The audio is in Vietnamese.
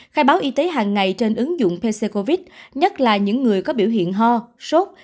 khai báo y tế hàng ngày trên ứng dụng pc covid nhất là những người có biểu hiện ho sốt